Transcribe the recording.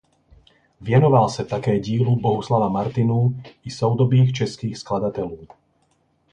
Věnoval se také dílu Bohuslava Martinů i soudobých českých skladatelů.